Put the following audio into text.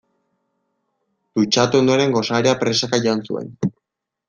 Dutxatu ondoren gosaria presaka jan zuen.